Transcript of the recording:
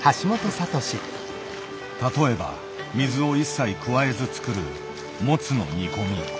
例えば水を一切加えず作るモツの煮込み。